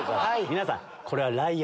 皆さん！